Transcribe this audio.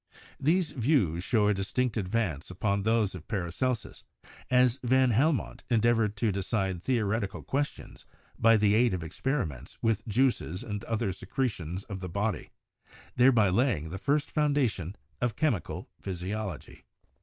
These views show a distinct advance upon those of Paracelsus, as van Helmont endeavored to decide theoreti cal questions by the aid of experiments with juices and other secretions of the body, thereby laying the first foun dation of chemical physiology.